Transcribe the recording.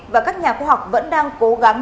và các nhà khoa học vẫn đang cố gắng